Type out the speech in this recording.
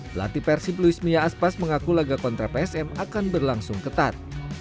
pelatih persib luis mia aspas mengaku laga kontra psm akan berlangsung ketat